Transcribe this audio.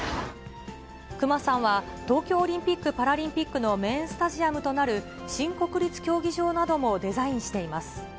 隈さんは、東京オリンピック・パラリンピックのメインスタジアムとなる、新国立競技場などもデザインしています。